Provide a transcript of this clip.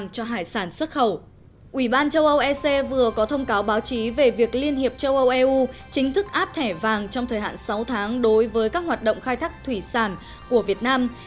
ủy ban châu âu ec vừa có thông cáo báo chí về việc liên hiệp châu âu eu chính thức áp thẻ vàng trong thời hạn sáu tháng đối với các hoạt động khai thác thủy sản của việt nam